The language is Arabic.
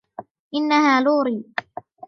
إنها لوري.